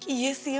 iya sih ya